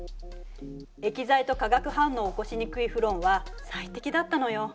液剤と化学反応を起こしにくいフロンは最適だったのよ。